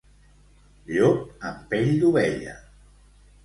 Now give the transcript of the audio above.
Llop amb pell d'ovella.